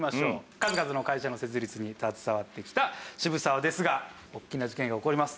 数々の会社の設立に携わってきた渋沢ですが大きな事件が起こります。